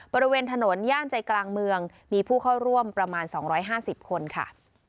บริเวณถนนย่านใจกลางเมืองมีผู้เข้าร่วมประมาณ๒๕๐คนค่ะ